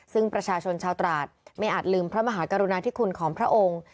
ซึ่งประชาชนชาวตราดไม่อาจลืมพระมหากรุณาธิคุณของพระองค์